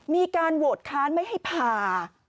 มีการโหวตค้านไม่ให้ผ่า